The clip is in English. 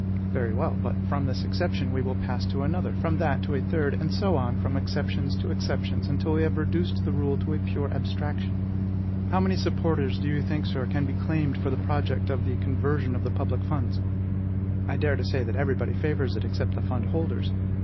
Very well; but from this exception we will pass to another, from that to a third, and so on from exceptions to exceptions, until we have reduced the rule to a pure abstraction. How many supporters do you think, sir, can be claimed for the project of the conversion of the public funds? I venture to say that everybody favors it, except the fund holders.